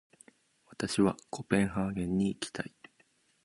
私はコペンハーゲンに行きたい。